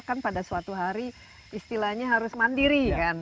kan pada suatu hari istilahnya harus mandiri kan